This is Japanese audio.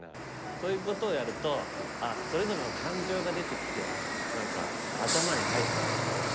そういうことをやるとそれぞれの感情が出てきて何か頭に入ってくるっていうか。